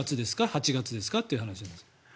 ８月ですかという話です。